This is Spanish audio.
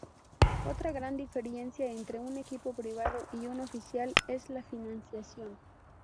Otra gran diferencia entre un equipo privado y un oficial es la financiación.